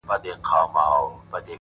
د زړه صفا د انسان ښکلا ده’